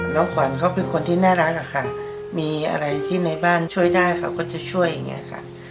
ขวัญเขาเป็นคนที่น่ารักอะค่ะมีอะไรที่ในบ้านช่วยได้เขาก็จะช่วยอย่างนี้ค่ะ